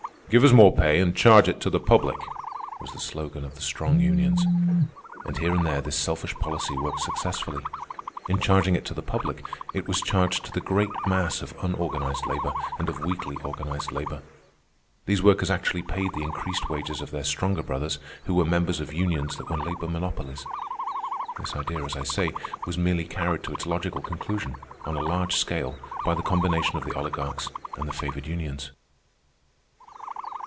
"Give us more pay and charge it to the public," was the slogan of the strong unions. And here and there this selfish policy worked successfully. In charging it to the public, it was charged to the great mass of unorganized labor and of weakly organized labor. These workers actually paid the increased wages of their stronger brothers who were members of unions that were labor monopolies. This idea, as I say, was merely carried to its logical conclusion, on a large scale, by the combination of the oligarchs and the favored unions.